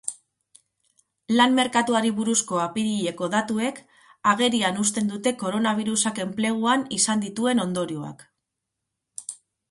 Lan-merkatuari buruzko apirileko datuek agerian uzten dute koronabirusak enpleguan izan dituen ondorioak.